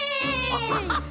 アハハハ！